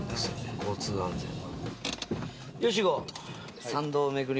交通安全の。